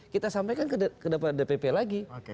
kita sampaikan ke depan dpp lagi